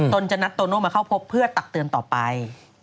จะนัดโตโน่มาเข้าพบเพื่อตักเตือนต่อไป